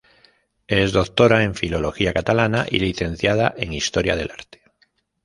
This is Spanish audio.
Es doctora en filología catalana y licenciada en historia del arte.